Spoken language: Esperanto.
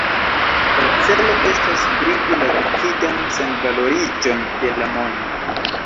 La celo estas bridi la rapidan senvaloriĝon de la mono.